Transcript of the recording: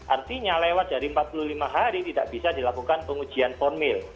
artinya lewat dari empat puluh lima hari tidak bisa dilakukan pengujian formil